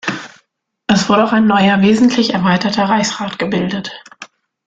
Es wurde auch ein neuer, wesentlich erweiterter Reichsrat gebildet.